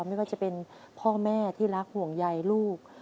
ไม่ว่าจะเป็นพ่อแม่ที่รักห่วงใยลูก